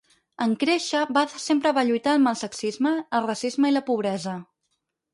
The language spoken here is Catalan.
En créixer, Bath sempre va lluitar amb el sexisme, el racisme i la pobresa.